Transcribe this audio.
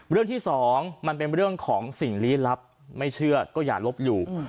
เรื่องที่สองมันเป็นเรื่องของสิ่งลี้ลับไม่เชื่อก็อย่าลบหลู่